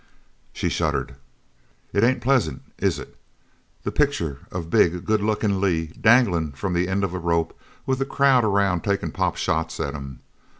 She shuddered. "It ain't pleasant, is it, the picture of big, good lookin' Lee danglin' from the end of a rope with the crowd aroun' takin' pot shots at him?